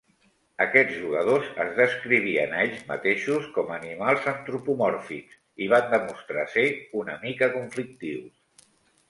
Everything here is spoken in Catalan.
Aquests jugadors "es descrivien a ells mateixos com animals antropomòrfics" i van demostrar ser "una mica conflictius".